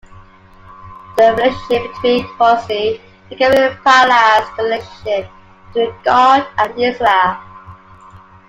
The relationship between Hosea and Gomer parallels the relationship between God and Israel.